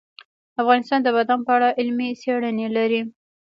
افغانستان د بادام په اړه علمي څېړنې لري.